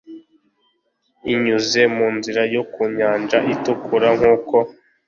unyuze mu nzira yo ku Nyanja Itukura nk’uko